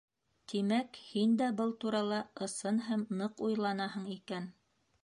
— Тимәк, һин дә был турала ысын һәм ныҡ уйланаһың икән.